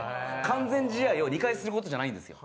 完全試合を２回する事じゃないんですよ。